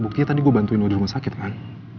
buktinya tadi gue bantuin loh di rumah sakit kan